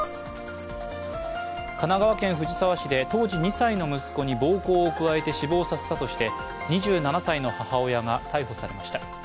神奈川県藤沢市で当時２歳の息子に暴行を加えて死亡させたとして２７歳の母親が逮捕されました。